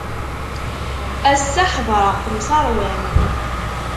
Ass-a ḥedṛeɣ temseṛwam.